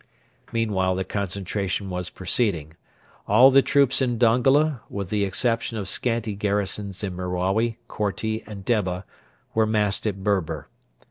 Meanwhile the concentration was proceeding. All the troops in Dongola, with the exception of scanty garrisons in Merawi, Korti, and Debba, were massed at Berber.